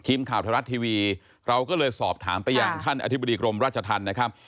ทีมข่าวไทยรัฐทีวีเราก็เลยสอบถามไปยังท่านอธิบดีกรมราชธรรมนะครับ